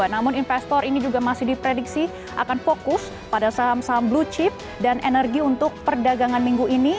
namun investor ini juga masih diprediksi akan fokus pada saham saham blue chip dan energi untuk perdagangan minggu ini